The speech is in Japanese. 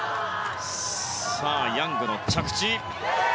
ヤングの着地。